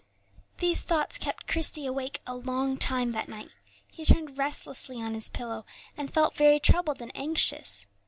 These thoughts kept Christie awake a long time that night; he turned restlessly on his pillow, and felt very troubled and anxious.